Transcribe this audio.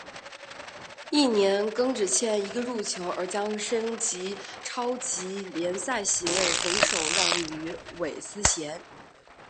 翌年更只欠一个入球而将升级超级联赛席位拱手让予韦斯咸。